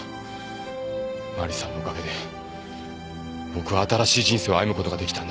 マリさんのおかげで僕は新しい人生を歩むことができたんだ。